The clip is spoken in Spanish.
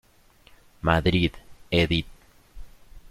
Madrid, Edit.